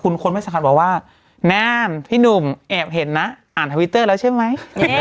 คุณคนไม่สำคัญบอกว่าแนมพี่หนุ่มแอบเห็นนะอ่านทวิตเตอร์แล้วใช่ไหม